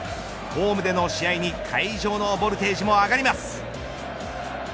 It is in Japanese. ホームでの試合に会場のボルテージも上がります。